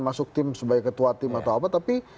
masuk tim sebagai ketua tim atau apa tapi